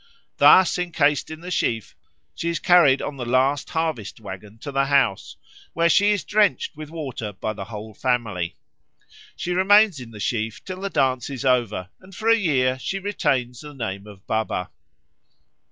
Thus encased in the sheaf, she is carried on the last harvest waggon to the house, where she is drenched with water by the whole family. She remains in the sheaf till the dance is over, and for a year she retains the name of Baba.